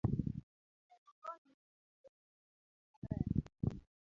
onego okony e chiwo chiemo, pi maler,